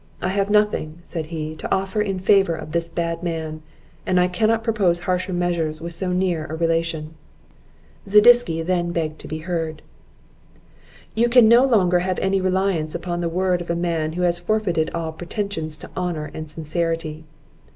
"I have nothing," said he, "to offer in favour of this bad man; and I cannot propose harsher measures with so near a relation." Zadisky then begged to be heard. "You can no longer have any reliance upon the word of a man who has forfeited all pretensions to honour and sincerity.